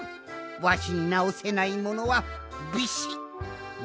わしになおせないものはビシッない！